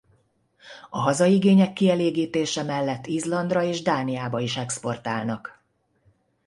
A hazai igények kielégítése mellett Izlandra és Dániába is exportálnak.